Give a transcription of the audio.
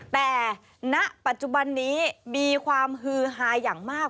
แต่ณปัจจุบันนี้มีความฮือฮาอย่างมาก